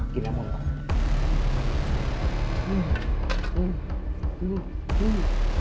ขอให้มันกิน